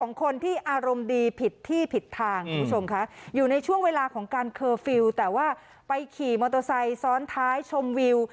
ของคนที่อารมณ์ดีผิดที่ผิดทางคุณผู้ชมคะอยู่ในช่วงเวลาของการเคอร์ฟิลล์แต่ว่าไปขี่มอเตอร์ไซค์ซ้อนท้ายชมวิว